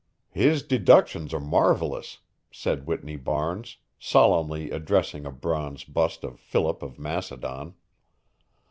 "His deductions are marvellous," said Whitney Barnes, solemnly addressing a bronze bust of Philip of Macedon.